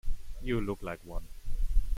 You look like one.